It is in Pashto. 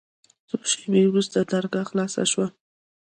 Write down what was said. څو شېبې وروسته درګاه خلاصه سوه.